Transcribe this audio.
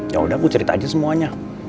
yaudah gue cerita aja semuanya